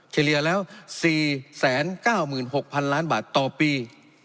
เฉลี่ยแล้วสี่แสนเก้าหมื่นหกพันล้านบาทต่อปี